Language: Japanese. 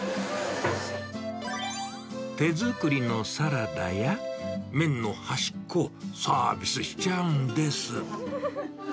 手作りのサラダや麺の端っこをサービスしちゃうんです。